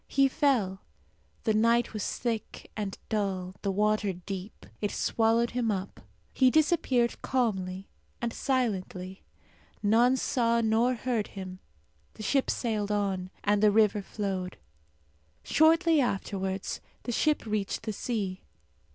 He fell. The night was thick and dull, the water deep. It swallowed him up. He disappeared calmly and silently. None saw nor heard him. The ship sailed on, and the river flowed. Shortly afterwards the ship reached the sea.